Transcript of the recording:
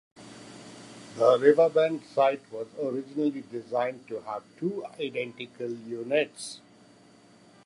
The River Bend site was originally designed to have two identical units.